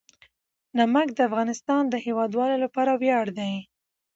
نمک د افغانستان د هیوادوالو لپاره ویاړ دی.